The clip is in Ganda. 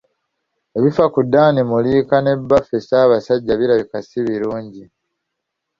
Ebifa ku Dan Muliika ne Bbaffe Ssabasajja birabika si birungi.